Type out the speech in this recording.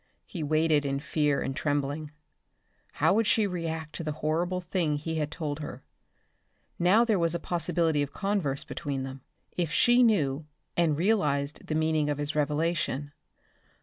He waited in fear and trembling. How would she react to the horrible thing he had told her? Now there was possibility of converse between them. If she knew and realized the meaning of his revelation.